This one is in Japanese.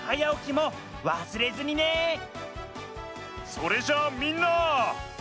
それじゃあみんな。